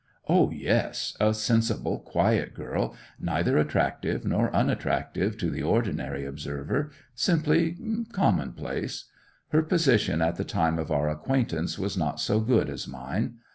'O yes; a sensible, quiet girl, neither attractive nor unattractive to the ordinary observer; simply commonplace. Her position at the time of our acquaintance was not so good as mine.